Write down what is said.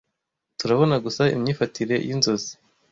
Turabona gusa imyifatire yinzozi,